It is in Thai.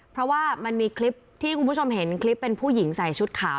เพราะว่ามันมีคลิปที่คุณผู้ชมเห็นคลิปเป็นผู้หญิงใส่ชุดขาว